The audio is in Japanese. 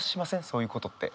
そういうことって。